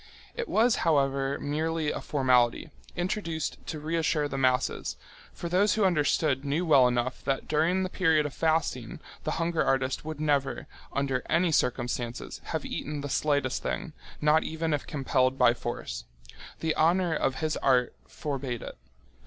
It was, however, merely a formality, introduced to reassure the masses, for those who understood knew well enough that during the period of fasting the hunger artist would never, under any circumstances, have eaten the slightest thing, not even if compelled by force. The honour of his art forbade it.